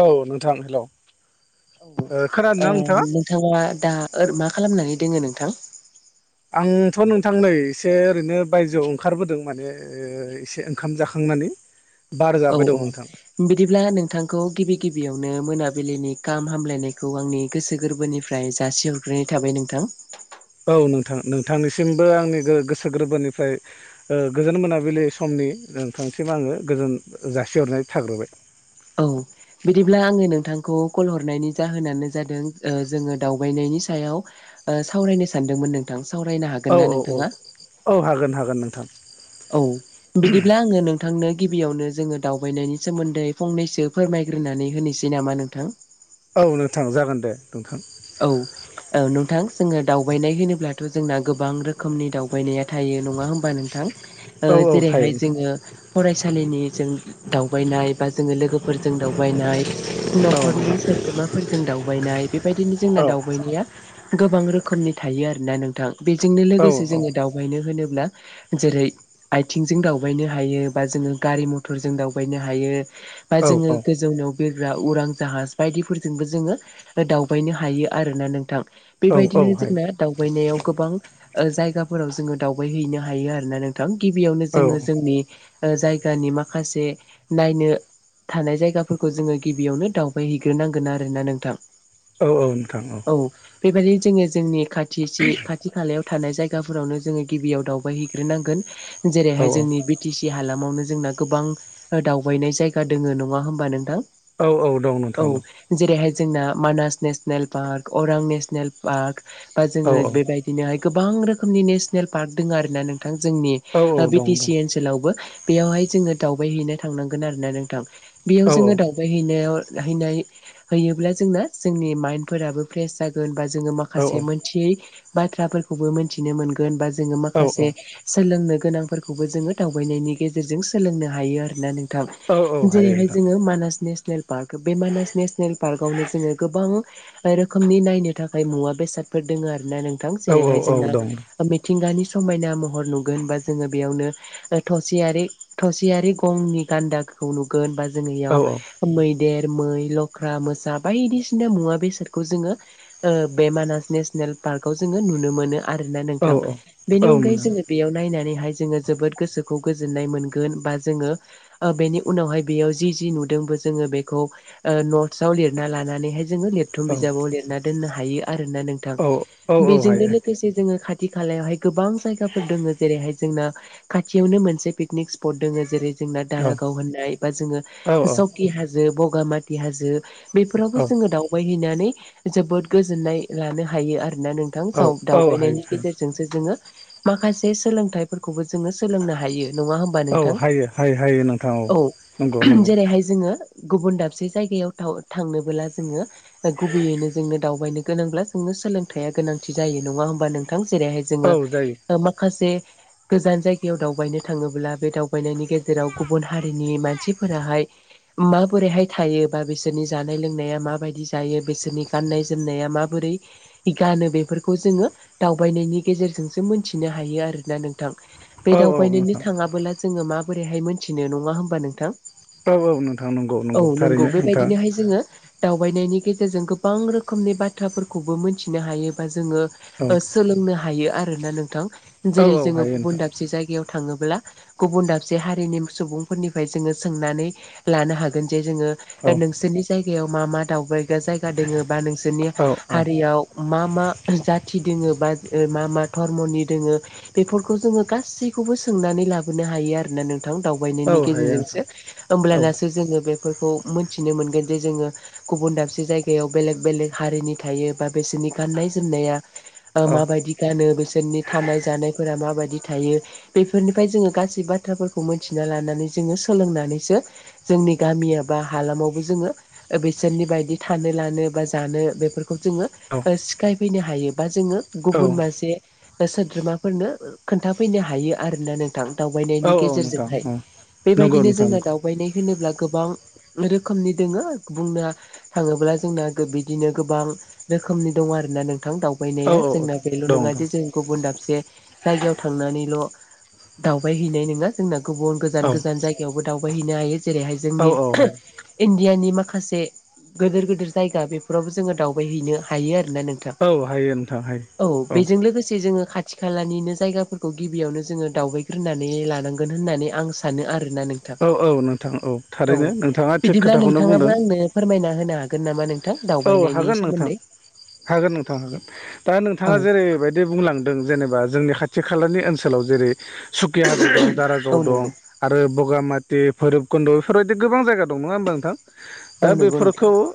औ नोंथां हेलौ औ ओ खोनादों ओ ना नोंथाङा नोंथाङा दा ओर मा खालामनानै दोङो नोंथां आंथ' नोंथां नै एसे ओरैनो बायजोआव ओंखारबोदों माने ओ एसे ओंखाम जाखांनानै बार औ जाबाय दं औ नोंथां बिदिब्ला नोंथांखौ गिबि गिबियावनो मोनाबिलिनि गाहाम हामलायनायखौ आंनि गोसो गोरबोनिफ्रा फ्राय जासि हरग्रोनाय थाबाय नोंथां औ नोंथां नोंथांनिसिमबो आंनि गो गोसो गोरबोनिफ्राय ओ गोजोन मोनाबिलि समनि नोंथांसिम आङो गोजोन जासिहरनाय थाग्रोबाय औ बिदिब्ला आङो नोंथांखौ कल हरनायनि जाहोनानो जादों जोङो दावबायनायनि सायाव ओ सावरायनो सानदोंमोन नोंथां सावरायनो औ हागोनना औ औ नोंथाङा औ हागोन हागोन नोंथां औ बिदिब्ला आङो नों नोंथांनो गिबियावनो जोङो दावबायनायनि सोमोन्दै फंनैसो फोरमायग्रोनानै होनोसै नामा नोंथां? औ नोंथां जागोन दे नोंथां। औ। औ नोंथां जोङो दावबायनाय होनोब्लाथ' जोंना गोबां रोखोमनि दावबायनाया थायो नङा होमबा नोंथां। ओ औ औ थायो जेरैहाय नोंथां औ जोङो फरायसालिनि जों दावबायनाय बा जोङो लोगोफोरजों दावबायनाय नोंथां न'खरनि सोद्रोमाफोरजों दावबायनाय बेबायदिनो जोंना औ दावबायनाया गोबां रोखोमनि थायो आरोना नोंथां बेजोंनो औ लोगोसे जोङो दा खायनो होनोब्ला जेरै आइथिंजों दावबायनो हायो बा जोङो गारि मथरजों दावबायनो हायो बा औ जोङो गोजौनाव बिरग्रा उरां जाहाज बायदिफोरजोंबो जोङो दावबायनो हा हायो आरोना नोंथां औ बेबायदिनो हायो जोंना दावबायनायाव गोबां जायगाफोराव जोङो दावबायहैनो हायो आरोोना नों थां गिबियावनो औ जोङो जोंनि जायगानि माखासे नायनो थानाय जायगाफोरखौ जोङो गिबियावनो दावबायहैग्रोनांगोन आरोना नोंथां। औ औ नोंथां औ। बेबायदिनो जोंनिया जोंनि खाथि थि खाथि खालायाव थानाय जायगाफोरावनो जोङो गिबियाव दावबाय हैग्रोनांगोन औ जेरैहाय जोंनि बि बि टि सि हालामावनो जोंना गोबां दावबायनाय जायगा दोङो नङा होमबा नोंथां? औ औ दं औ नोंथां दं। जेरैहाय जोंना मानास नेसनेल पार्क अरां नेसनेल पार्क बा औ जोङो औ बेबाय बिदिनोहाय गोबां रोखोमनि नेशनेल पार्क दोङो आरोना नोंथां जोंनि औ दं बिटि दं सि ओनसो लावबो बेयावहाय जोङो दावबायहैनो थांनांगोन आरोना नोंथां बेयाव औ जोङो दाउ होइनायाव हाइनाइ हायोब्ला जोंना जोंनि माइदं फोराबो फ्रेस जागोन बा जोङो औ माखासे मोनथियै बाथ्राफोरखौबो मिनथिनो मोनगोन बा जोङो औ माखासे सोलोंनो गोनांफोरखौबो जोङो दावबायनायनि गेजेरजों सोलोंनो हायो आरोना नों थां औ औ हायो जेरैहाय नोंथां जोङो मानास नेसनेल पार्क बे मानास नेसनेल पार्कआवनो जोङो गोबां रोखोमनि नायनो थाखाय मुवा बेसादफोर दोङो आरोना नोंथां औ औ जेरैहाय औ जोंना दं मिथिंगानि समायना महर नुगोन बा जोङो बेयावनो थसियारि थसियारि गंनि गान्दा खौ नुगोन बा जोंङो औ इयाव मैदेर, मै, लख्रा, मोसा बायदिसिना मुवा बेसाद खौ जोङो ओ बे मानास नेसनेल पार्कआव जोङो नुनो मोनो। आरोना औ नोंथां बेनि औ अनगायै मोनदों जोङो बेयाव नायनानैहाय जोङो जोबोद गोसोखौ गोजोननाय मोनगोन बा जोङो ओ बेनि उनावहाय बेयाव जि जि नुदोंबो जोङो बेखौ नट्सआव लिरना लानानैहाय जोङो लिरथुम औ बिजाबाव लिरना दोननो हायो आर ना नों थां औ औ औ बेजोंनो हायो लोगोसे जोङो खाथि खालायावहाय गोबां जायगाफोर दोङो जेरैहाय जोंना खाथियावनो मोनसे पिकनिक स्पट दोङो जेरै जोंना औ दारागाव होननाय बा जोङो औ सकि हाजो बगामाती हाजो बेफोरावबो जोङो दावबायहैनानै जोबोद गोजोननाय लानो हायो आरो। ना नोंथां औ दाव औ हायो दावबायनायनि गेजेरजों जोंसो जोङो माखासे सोलोंथाइफोरखौबो जोङो सोलोंनो हायो। नङा होमबा औ नोंथां हायो हायो हायो नोंथां औ औ नंगौ नंगौ जेरैहाय जोङो गुबुन दाबसे जायगायाव थाउ थांनोबोला जोङो गुबैयैनो जोंनो दावबायनो गोनांब्ला जोंनो सोलोंथाइया गोनांथि जायो नङा होमबा नोंथां जेरैहाय औ जोङो जायो ओ माखासे गोजान जायगायाव दावबायनो थाङोब्ला बे दावबायनायनि गेजेराव गुबुन हारिनि मानसिफोराहाय माबोराइहाय थायो बा बेसोरनि जानाय लोंनाया माबायदि दायो बेसोरनि गाननाय जोमनाया माबोरै गानो बेफोरखौ जोङो दावबायनायनि गेजेरजोंसो मोनथिनो हायो आरोोना नोंथां? बे औ औ दावबायनोनो नोंथां थाङाबोला जोङो माबोरैहाय मोनथिनो नङा होमबा नोंथां नोंथां नंगौ औ नंगौ। थारैनो नोंथां बेबायदिनोहाय जोङो दावबायनायनि गेजेरजों गोबां रोखोमनि बाथ्राफोरखौबो मिनथिनो हायोबा जोङो औ ओ सोलोंनो हायो आरोना नोंथां औ जेरै औ जोङो हायो गुबुन नोंथां दाबसे जायगायाव थाङोब्ला गुबुन दाबसे हारिनि सुबुंफोरनिफ्राय जोङो सोंनानै लानो हागोन जे जोङो औ नोंसोरनि जायगायाव मा मा दावबायग्रा जायगा दोङो बा नोंसोरनि औ औ हारियाव मा मा जाथि दोङो बा मा मा धर्मनि दोङो बेफोरखौ जोङो गासैखौबो सोंनानै लाबोनो हायो आरोोना नों थां औ दावबायनायनि हायो गेजेरजों सो नोंथां औ ओमब्लानासो जों बे फोरखौ मोनथिनो मोनोन जे जोङो गुबन दाब जायगायाव बेलेग बेलेग हारिनि थायो बा बिसोरनि गाननाय जोमनाया ओ औ माबायदि गानो बिसोरनि थानाय जानायफोरा माबायदि थायो बेफोरनिफ्राय जोङो गासै बाथ्राफोरखौ मोनथिना लानानै जोङो सोलोंनानैसो जोंनि गामिया बा हालामावबो जोङो ओ बिसोरनि बायदि थानो लानो बा जानो बेफोरखौ जोङो औ सिखायफैनो हायो बा जोङो औ गुबुन मोनसे ओ सोद्रोमाफोरनो खोन्थाफैनो हायो आरोना नों थां औ दावबायनायनि औ नोंथां गेजेरजोंहाय औ नंगौ बेबायदिनो नोंथां जोंना नंगौ दाव बायनाय होनोब्ला गोबां रोखोमनि दोङो बुंना थाङोब्ला जोंना बिदिनो गोबां रोखोमनि दं आरोना नोंथां दाउ औ बायनाया औ जोंना बेल' दं नङा दं जे जों गुबुन दाबसे जायगायाव थांनानैल' दावबाय हैैनाय नोङा जोंना गुबुन गोजान औ गोजान जायगायावबो दावबायहैनो हायो जेरैहाय औ जोंनि हायो इण्डियानि माखासे गोदोर गोदोर जायगा बेफोरावबो जोङो दावबायहैनो हायो आरोना नों थां औ हायो नोंथां औ हायो बेजों लोगोसे जोङो खा थि खालानिनो जायगाफोरखौ गिबियावनो जोङो दावबायग्रोनानै लानांगोन होननानै आं सा सानो आरोना नोंथां औ औ नोंथां औ थारैनो नोंथाङा थिग बिदिब्ला खोथाखौनो नोंथाङाबो बुंदों आंनो फोरमायना होनो हागोन नामा नों औ हागोन नोंथां हागोन नोंथां हागोन। दा औ नोंथाङा जेरैबाय दी बुंलांदों जेनेबा जोंनि खाथि खालानि ओनसोलाव जेरै सुकिया हाजो दं औ दारागाव नंगौ दं। आरो बगामाति भैरबकुन्द' बेफोरबायदि गोबां जायगा दं नोङा होमबा नोंथां औ दा नंगौ नोंथां बेफोरखौ ओ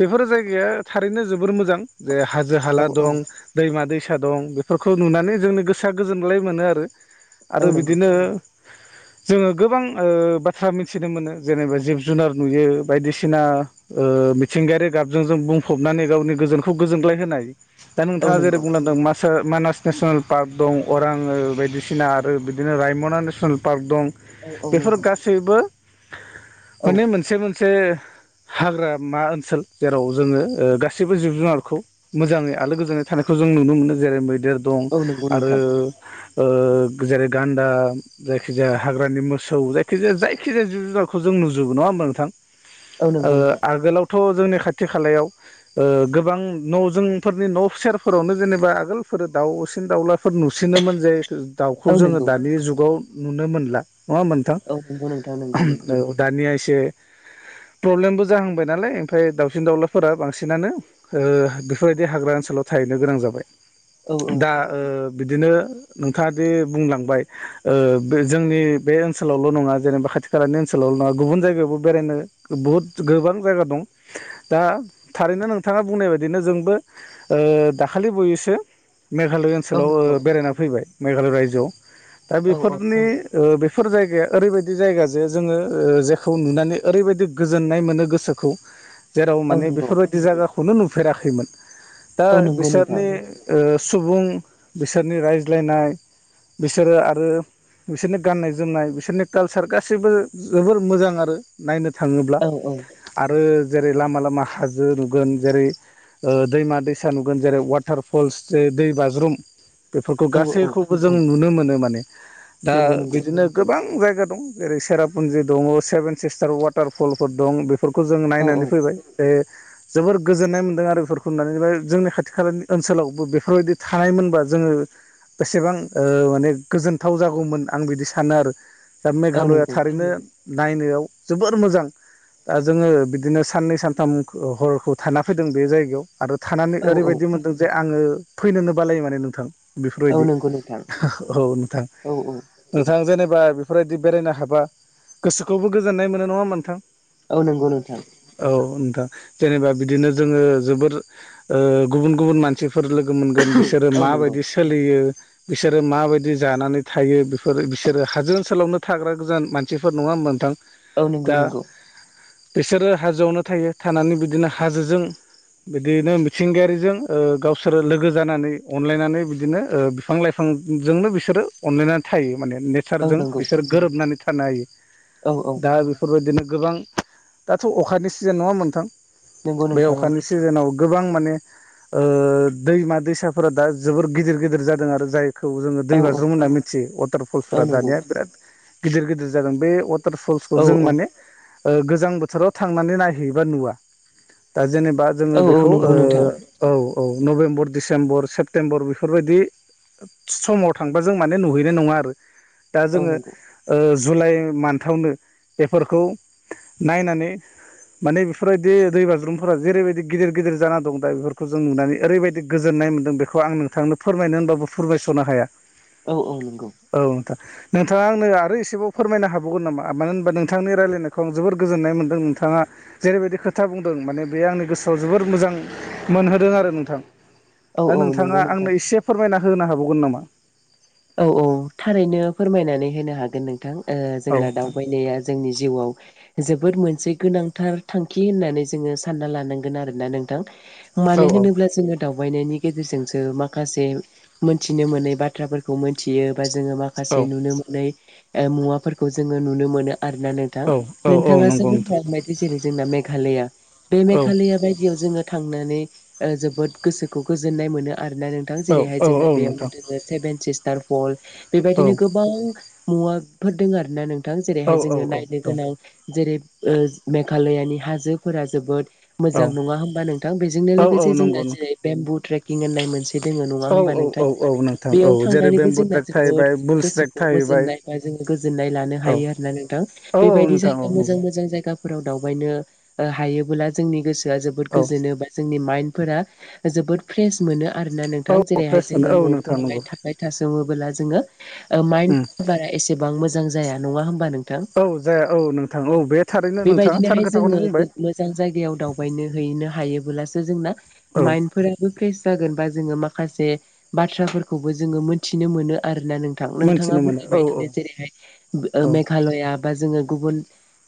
बेफोर जायगाया थारैनो जोबोर मोजां जे हाजो औ हाला औ दं दैमा दैसा दं बेफोरखौ नुनानै जोंनि गोसोआ गोजोनग्लाय मोनो आरो। औ आरो नंगौ बिदिनो [inaudible] जोङो गोबां ओ बाथ्रा मिथिनो मोनो जेनेबा जिब जुनार नुयो बायदिसिना ओ बि थिंगायारि गाबजों जों बुंफबनानै गावनि गोजोनखौ गोजोनग्लाय होनाय। दा औ नोंथाङा जेरै नंगौ बुंलांदों मा ओ मानास नेसनेल पार्क दं अरां ओ बायदिसिना आरो बिदिनो रायमना नेसनेल पार्क दं। औ औ बेफोर नंगौ गासैबो औ माने मोनसे मोन से हाग्रामा ओनसोल जेराव जोङो ओ गासैबो जिब जुनारखौ मोजाङै आलो गोजोनै थानायखौ जों नुनो मोनो जेरै मैदेर दं औ नंगौ आरो नोंथां ओ जेरै गान्दा जायखिजाया हाग्रानि मोसौ जायखिजाया जायखिजाया जिब जुनारखौ जों नुजोबो नङा होमबा नोंथां? औ ओ नंगौ नोंथां आगोलावथ' जोंनि खाथि खालायाव ओ गोबां न' जोंफोरनि न' सेरफोरावनो जेनेबा आगोलफोर दाउसिन दाउला फोर नुसिनोमोन जे दाउखौ औ जोङो नंगौ दानि जुगाव नुनो मोनला नङा होमबा नोंथां औ नंगौ नोंथां नंगौ नंगौ औ। दानिया एसे प्रब्लेमबो जाहांबाय नालाय ओमफाय दावउसिन दाउलाफोरा बांसिनानो ओ बिफोरबायदि हाग्रा ओनसोलाव थाहैनो गोनां जाबाय। औ औ दा ओ बिदिनो नोंथाङा दि बुंलांबाय ओ बे जोंनि बे ओनसोलावल' नङा जेनेबा खाथि खालानि ओनसोलावल' नङा गुबुन जायगायावबो बेरायनो बहुद गोबां जायगा दं। दा थारैनो नोंथाङा बुंनाय बायदिनो जोंबो ओ दाखालि बुयैसो मेघालय औ ओनसोलाव ओ नंगौ बेरायना फैबाय मेघालय रायजोआव दा औ औ बेफोरनि ओ बेफोर जायगाया ओरैबायदि जायगा जे जोङो ओ जेखौ नुनानै ओरैबायदि गोजोननाय मोनो गोसोखौ। जेराव औ माने नंगौ बेफोरबायदि जायगाखौनो नुफेराखैमोन दा औ नंगौ नोंथां बिसोरनि ओ सुबुं बिसोरनि रायज्लायनाय बिसोरो आरो बिसोरनि गाननाय जोमनाय बिसोरनि कालसार गासैबो जोबोर मोजां आरो नायनो थाङोब्ला। औ औ। ओ जेरै लामा लामा हाजो नुगोन। जेरै ओ दैमा दैसा नुगोन जेरै वाटार फल्स जे दै बाज्रुम। बेफोरखौ औ गासैखौबो जों नुनो मोनो माने। दा औ नंगौ नंगौ बिदिनो गोबां जायगा दं जेरै सेरापुन्जि दङ' सेभेन सिस्टार वाटारफलफोर दं बेफोर खौ जों औ औ नायनानै फैबाय। बे जोबोर गोजोननाय मोनदों आरो बेफोरखौ नुनानै। बा जोंनि खाथि खालानि ओनसोलावबो बेफोरबायदि थानायमोनबा जोङो बेसेबां ओ माने गोजोनथाव जागौमोन आं बिदि सानो आरो। दा औ मेघालया नंगौ थारैनो नायनोआव जोबोर मोजां दा जोङो बिदिनो साननै सानथाम खो हर-हरखौ थाना फैदों बे जायगायाव आरो थानानै औ औ ओरैबायदि मोनदों जे आङो फैनोनो बालायो माने नोंथां। औ बेफोरबायदि। नंगौ नोंथां औ नोंथां। औ औ नोंथां जेनेबा बेफोरबायदि बेरायनो हाबा गोसोखौबो गोजोननाय मोनो। नङा होमबा नोंथां? औ नंगौ नो औ नोंथां। जेनेबा बिदिनो जोङो जोबोर ओ गुबुन गुबुन मान सिफोर लोगो मोनगोन बिसोरो औ नंगौ माबायदि सोलियो बिसोरो माबायदि जानानै थायो बेफोरो बिसोरो हाजो ओनसोलावनो थाग्रा गोजान मानसिफोर। नङा होनबा नोंथां? औ नंगौ दा नंगौ। बिसोरो हाजोआवनो थायो थानानै बिदिनो हाजोजों बिदिनो मिथिंगायारिजों ओ गावसोरो लोगो जानानै अनलायनानै बिदिनो ओ बिफां लाइफां फांजोंनो बिसोरो अनलायनानै थायो माने ने औ सारजों नंगौ बिसोर गोरोबनानै थानो हायो। औ औ दा बेफोरबायदिनो गोबां दाथ' अखानि सिजेन नङा होनबा नोंथां? नंगौ बे नोंथां औ अखानि सिजोनाव गोबां माने ओ दैमा दैसाफोरा दा जोबोर गिदिर गिदिर जादों आरो जाय खौ जोङो औ औ दैबाज्रुम होनना मिथियो औ वाटारफलसफोरा नंगौ दानिया बिराद गिदिर गिदिर जादों। बे टारफलसखौ औ जों औ माने ओ गोजां बोथ थोराव थांनानै नायहैयोबा नुवा। दा जेनेबा औ जोङो औ बेखौ नंगौ नोंथां ओ औ औ नभेम्बर डिसेम्बर सेप्तेम्बर बेफोरबायदि समाव थांबा जों माने नुहैनाय नङा आरो। दा औ जोङो नंगौ ओ जुलाइ मान्थआवनो बेफोरखौ नायनानै [unintelligible] माने बेफोरबायदि दै बाज्रुमफोरा जेरैबायदि गिदिर गिदिर जाना दं दा बेफोरखौ जों नुनानै ओरैबायदि गोजोननाय मोनदों। बे खौ आं नोंथांनो फोरमायनो होनबाबो फोरमायस'नो हाया। औ औ नंगौ। औ नोंथां। नोंथाङा आंनो आरो एसेबाव फोरमायनो हाबावगोन नामा? मानो होनबा नोंथांनि रायलायनायखौ आं जोबोर गोजोननाय मोनदों। दों नोंथाङा जेरैबायदि खोथा बुंदों माने बे आंनि गोसोआव जोबोर मोजां मोनहोदों आरो नोंथां। औ दा औ नंगौ नोंथाङा आंनो नोंथां एसे फोरमायना होनो हाबावगोन नामा? औ औ थारैनो फोरमायनानै होनो हागोन नोंथां। ओ औ जोंना नोंथां दावबायनाया जोंनि जिउआव जोबोद मोनसे गोनांथार थांखि होननानै जोङो सानना लानांगोन आरोना नों थां। औ मानो होनोब्ला जोङो दावबायनायनि गेजेरजोंसो माखासे मोनथिनो मोनै बाथ्राफोर खौ मोनथियो बा जोङो औ माखासे नुनो मोनै ओ मुवाफोरखौ जोङो नुनो मोनो। आरो ना नोंथां औ औ नोंथाङासो नंगौ नोंथां बुंथ'बाय जेरै जोंना मेघालया बे औ मेघालया बायदियाव जोङो थांनानै जोबोद गोसोखौ गोजोननाय मोनो आरोना नोंथां औ जेरैहाय औ औ जोंना बेयावनो नोंथां दो सेभेन सिस्टार फल औ औ बेबायदिनो गोबां मुवाफोर दं आरोना नों औ जेरैहाय जोङो नायनो दं गोनां जेरै ओ मेघालयानि हाजोफोरा जोबोद मोजां नङा होमबा नोंथां बेजोंनो औ औ लोगोसे जोंना नंगौ नोंथां जेरै बेम्बु ट्रेकिं होननाय मोनसे दङ नङा औ होमबा औ नोंथां औ औ नोंथां बेयो औ जेरै थांनानैबो बेम्बु जोंना ट्रेक जोबोद थाहैबाय बुल स्ट्रेक गोसोखौ थाहैबाय मोजोननाय बा जोङो गोजोननाय लानो औ हायो आरोना नोंथां औ औ बेबायदि नोंथां जायगा औ मोजां नंगौ मोजां जायगा फोराव दावबायनो हायोबोला जोंनि गोसोआ जोबोद औ गोजोनो बा जोंनि माइन्द फोरा जोबोद फ्रेस मोनो आरोना नोंथां औ जेरैहाय फ्रेस मोनो जोङो औ नोंथां नंगौ न'फोरावहाय थासोमोबोला जोङो ओ माइन्द उम फोरा एसेबां मोजां जाया नङा होमबा नों औ जाया औ नोंथां औ बे थारैनो नोंथाङा थार बेबायदिनोहाय खोथाखौनो बुंबाय जोङो मोजां जायगायाव दावबायनो हैनो हायोबोलासो जोंना औ माइन्दफोरा फ्रेस जागोन बा जोङो माखासे बाथ्राफोरखौबो जोङो मोनथिनो मोनो आरो ना नोंथां नोंथाङा मोनथिनो मोनो औ औ बुंनायबादिनो जेरैहाय ओ औ मेघालया बा जोङो गुबुन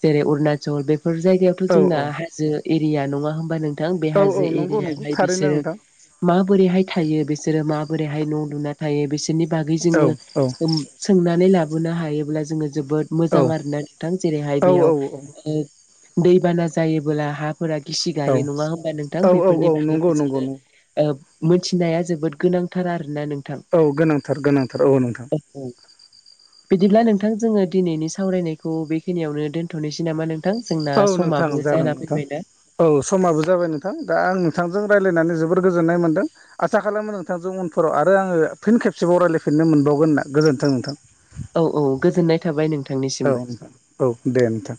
जेरै अरुणाचल बेफोर जायगायावथ' औ जोंना औ हाजो एरिया नङा होमबा नोंथां बे औ औ हाजो नंगौ नंगौ एरियायावहाय थारैनो बिसोरो नोंथां माबोरैहाय थायो बिसोरो माबोरैहाय न' लुना थायो बिसोरनि बागै औ जोङो औ सोंनानै लाबोनो हायोब्ला जोङो जोबोद औ मोजां आरोना नोंथां जेरैहाय बेयाव दैबाना जायोबोला हाफोरा गिसि गायो नङा होमबा नोंथां औ औ औ बेफोरनि नंगौ बागैबो नंगौ जोङो नंगौ ओ मोनथिनाया जोबोद गोनांथार आरो ना नों औ गोनांथार गोनांथार औ नोंथां औ बिदिब्ला नोंथां जोङो दिनैनि सावरायनायखौ बेखिनियावनो दोनथ'नोसै नामा नों जोंना औ नोंथां समाबो जागोन जाना नोंथां फैबायना औ समाबो जाबाय नोंथां दा आं नोंथांजों रायज्लायनानै जोबोर गोजोननाय मोनदों आसा खालामो नोंथांजों उनफोराव आरो आङो फिन खेबसेबाव रायलायफिननो मोनबावगोन होनना गोजोन्थों नोंथां औ औ गोजोननाय थाबाय नों औ नोंथां औ दे नोंथां